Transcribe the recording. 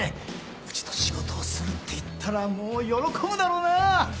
うちと仕事をするって言ったらもう喜ぶだろうな！